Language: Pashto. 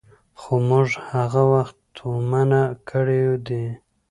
خو موږ هغه وختي تومنه کړي دي.